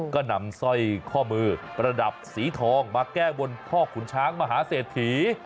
ก็นำสร้อยข้อมือประดับสีทองมาแก้บนพ่อขุนช้างมหาเศรษฐี